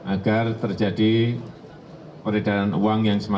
agar terjadi peredaran uang yang sempurna